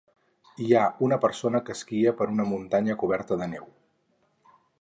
Hi ha una persona que esquia per una muntanya coberta de neu.